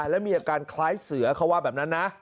แล้วมีอาการคล้ายเสือเขาว่าแบบนั้นนะ